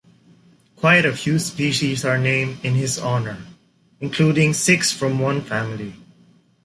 Quite a few species are named in his honour, including six from one family.